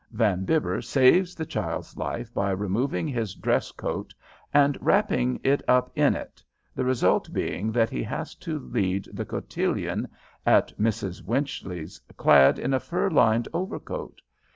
Van Bibber saves the child's life by removing his dress coat and wrapping it up in it, the result being that he has to lead the cotillon at Mrs. Winchley's clad in a fur lined overcoat.